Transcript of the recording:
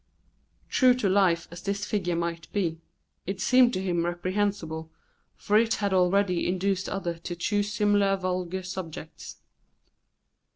True to life as this figure might be, it seemed to him reprehensible, for it had already induced others to choose similar vulgar subjects.